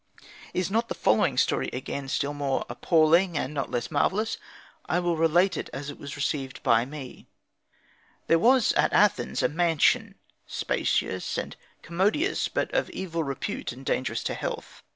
Is not the following story again still more appalling and not less marvelous? I will relate it as it was received by me: There was at Athens a mansion, spacious and commodious, but of evil repute and dangerous to health.